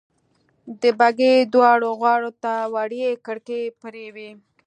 د بګۍ دواړو غاړو ته وړې کړکۍ پرې وې.